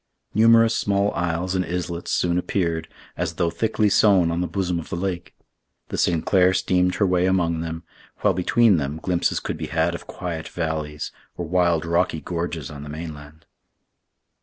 Numerous small isles and islets soon appeared, as though thickly sown on the bosom of the lake. The Sinclair steamed her way among them, while between them glimpses could be had of quiet valleys, or wild rocky gorges on the mainland.